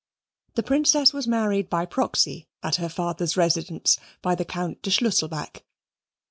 The Princess was married by proxy, at her father's residence, by the Count de Schlusselback.